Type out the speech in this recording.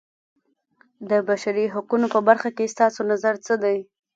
د بشري حقونو په برخه کې ستاسو نظر څه دی.